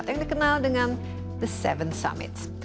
yang dikenal dengan the seven summits